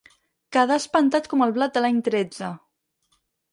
Quedar espantat com el blat de l'any tretze.